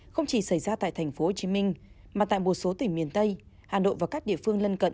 không chỉ xảy ra tại tp hcm mà tại một số tỉnh miền tây hà nội và các địa phương lân cận